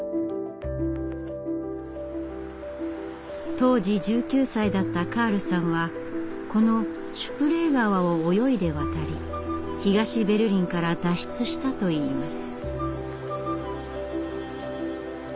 当時１９歳だったカールさんはこのシュプレー川を泳いで渡り東ベルリンから脱出したといいます。